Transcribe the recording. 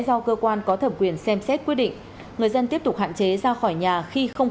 do cơ quan có thẩm quyền xem xét quyết định người dân tiếp tục hạn chế ra khỏi nhà khi không